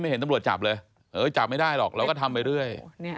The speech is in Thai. เห็นตำรวจจับเลยจับไม่ได้หรอกเราก็ทำไปเรื่อย